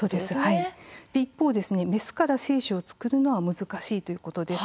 一方、メスから精子を作るのは難しいということです。